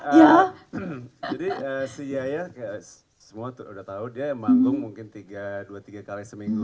jadi si yaya semua udah tahu dia emang bangung mungkin tiga dua kali seminggu